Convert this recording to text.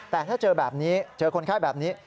แต่ถ้าเจอแบบนี้เจอคนไข้แบบนี้